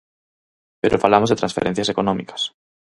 Pero falamos de transferencias económicas.